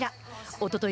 おととい